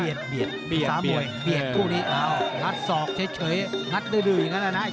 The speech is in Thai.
เข้าเตอร์ไปอีกทีบริเวณมือมือถุดาเยอะนะครับ